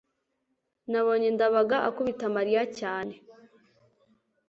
nabonye ndabaga akubita mariya cyane